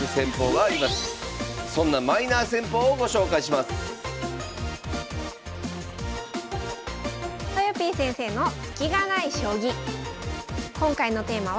そんなマイナー戦法をご紹介しますとよぴー先生のスキがない将棋。